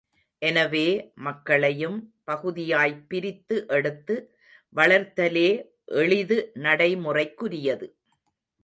எனவே மக்களையும் பகுதியாய் பிரித்து எடுத்து வளர்த்தலே எளிது நடைமுறைக்குரியது.